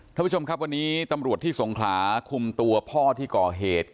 ท่านผู้ชมครับวันนี้ตำรวจที่สงขลาคุมตัวพ่อที่ก่อเหตุ